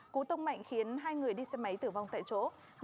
cú tông mạnh khiến hai người đi xe máy tử vong tại chỗ